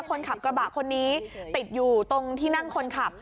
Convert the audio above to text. คนขับกระบะคนนี้ติดอยู่ตรงที่นั่งคนขับ